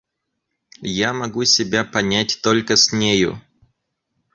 Я могу себя понять только с нею.